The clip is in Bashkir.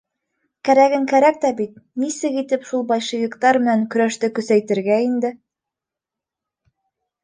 — Кәрәген кәрәк тә бит, нисек итеп шул большевиктар менән көрәште көсәйтергә инде?